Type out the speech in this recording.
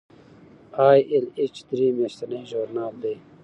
ای ایل ایچ درې میاشتنی ژورنال دی.